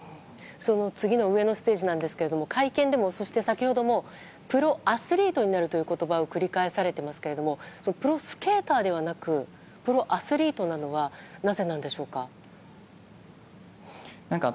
その次の上のステージなんですが会見でも、そして先ほどもプロアスリートになるという言葉を繰り返されてますけどプロスケーターではなくプロアスリートなのはなぜなんでしょうか？